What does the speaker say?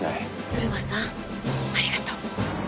鶴間さんありがとう。